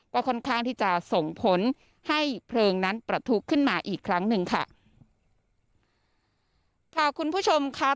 ก็ค่อนข้างที่จะส่งผลให้เพลิงนั้นประทุขึ้นมาอีกครั้งหนึ่งค่ะพาคุณผู้ชมค่ะ